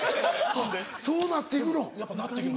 そうなって行くの？